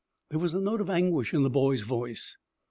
There was a note of anguish in the boy's voice.